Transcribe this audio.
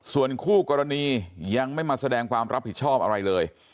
ส่วนคู่กรณียังไม่มาแสดงความรับผิดชอบอะไรเลย